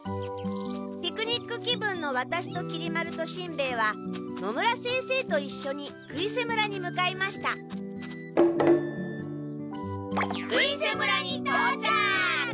ピクニック気分のワタシときり丸としんべヱは野村先生といっしょに杭瀬村に向かいました杭瀬村にとうちゃく！